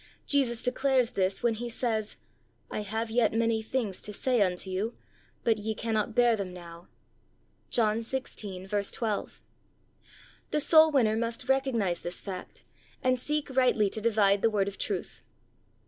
Jesus declares this when He says, "I have yet many things to say unto you, but ye cannot bear them now." (John i6: 12.) The soul winner must recognize this fact, and seek rightly to divide the word of truth.